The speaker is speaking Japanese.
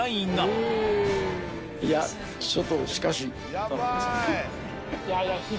ちょっとしかし。